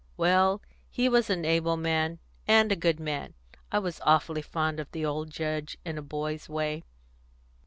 Well, he was an able man, and a good man; I was awfully fond of the old Judge, in a boy's way."